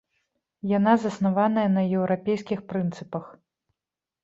Яна заснаваная на еўрапейскіх прынцыпах.